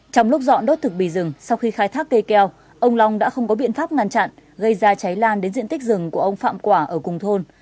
trong lúc dọn đốt thực bì rừng sau khi khai thác cây keo ông long đã không có biện pháp ngăn chặn gây ra cháy lan đến diện tích rừng của ông phạm ở cùng thôn